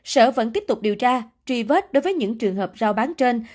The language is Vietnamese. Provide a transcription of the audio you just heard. sở vẫn tiếp tục điều tra truy vết đối với những trường hợp giao bán trên